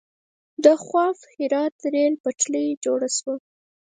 د خواف هرات ریل پټلۍ جوړه شوه.